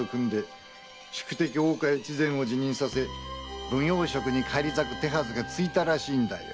・大岡越前を辞任させ奉行職に返り咲く手はずがついたらしいんだ。